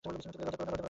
লজ্জা করে না!